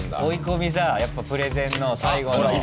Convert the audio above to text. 追い込みだやっぱプレゼンの最後の。